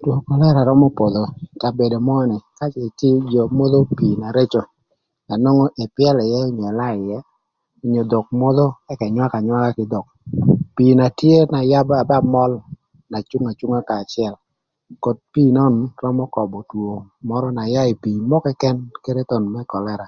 Two kölëra römö podho ï kabedo mörö ni modho pii na reco na nwongo ëpyëlö ïë ëlaö ïë onyo dhok modho ëka ënywakö anywaka kï dhok pii na tye na ba möl na cung acunga kanya acël koth pii nön römö köbö two römö na yaa kï ï pii mörö këkën kede thon më kölëra.